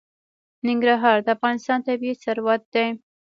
ننګرهار د افغانستان طبعي ثروت دی.